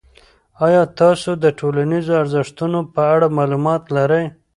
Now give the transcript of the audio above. آیا تاسو د ټولنیزو ارزښتونو په اړه معلومات لرئ؟